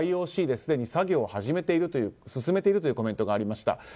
ＩＯＣですでに作業を進めているというコメントがありました。